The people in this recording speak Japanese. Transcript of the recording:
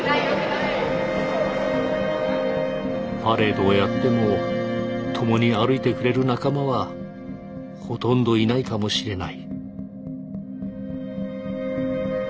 パレードをやっても共に歩いてくれる仲間はほとんどいないかもしれない。